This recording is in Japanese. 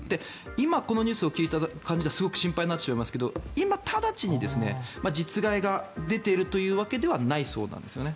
今、このニュースを聞いた感じではすごく心配になってしまいますが今、直ちに実害が出ているというわけではないそうなんですね。